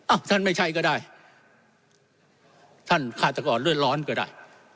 ท่านไม่ใช่ก็ได้ท่านฆาตกรเลือดร้อนก็ได้